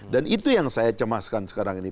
dan itu yang saya cemaskan sekarang ini